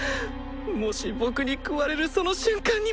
もし「僕に喰われるその瞬間にも」